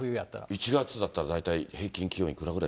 １月だったら大体平均気温いくらくらい？